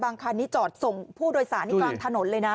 คันนี้จอดส่งผู้โดยสารนี่กลางถนนเลยนะ